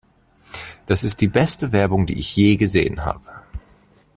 Das ist die beste Werbung, die ich je gesehen habe!